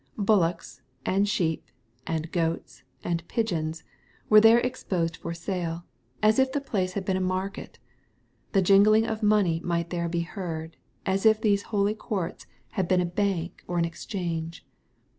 Bullocks, and sheep, and goats, and pigeons, were there exposed for sale, as if the place .had been a market. The jingling of money might there be heard, as if these holy courts had been a bank or an exchange.